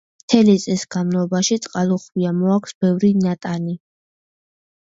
მთელი წლის განმავლობაში წყალუხვია, მოაქვს ბევრი ნატანი.